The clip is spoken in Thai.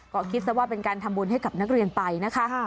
ก็คิดซะว่าเป็นการทำบุญให้กับนักเรียนไปนะคะ